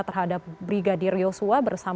terhadap brigadir yosua